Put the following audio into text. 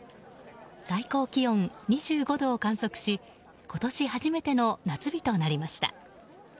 最高気温２５度を観測し今年初めての夏日となりました。